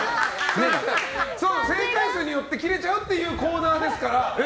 正解数によって切れちゃうっていうコーナーですから。